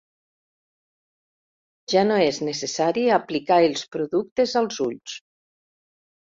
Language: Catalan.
Ja no és necessari aplicar els productes als ulls.